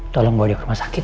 tolong bawa ke rumah sakit